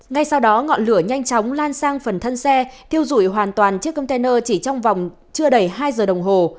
ngay sau đó ngọn lửa nhanh chóng lan sang phần thân xe thiêu dụi hoàn toàn chiếc container chỉ trong vòng chưa đầy hai giờ đồng hồ